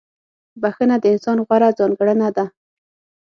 • بخښنه د انسان غوره ځانګړنه ده.